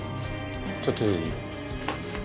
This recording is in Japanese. ちょっといい？